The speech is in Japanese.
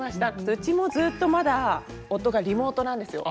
うちもずっとまだ夫がリモートなんですよ。